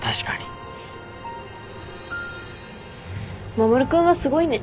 守君はすごいね。